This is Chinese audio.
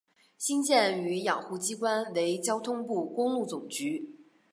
新建与养护机关为交通部公路总局。